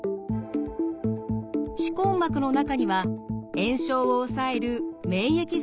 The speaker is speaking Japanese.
歯根膜の中には炎症を抑える免疫細胞がいます。